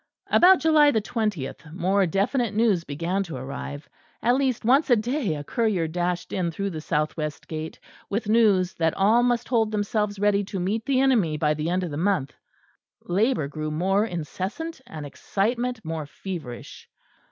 About July the twentieth more definite news began to arrive. At least once a day a courier dashed in through the south west gate, with news that all must hold themselves ready to meet the enemy by the end of the month; labour grew more incessant and excitement more feverish.